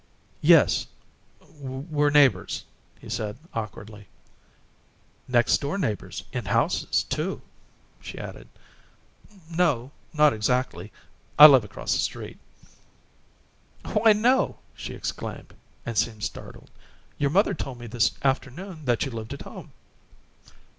"Yes we're neighbors," he said, awkwardly. "Next door neighbors in houses, too," she added. "No, not exactly. I live across the street." "Why, no!" she exclaimed, and seemed startled. "Your mother told me this afternoon that you lived at home."